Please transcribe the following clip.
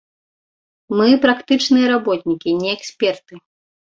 Мы практычныя работнікі, не эксперты.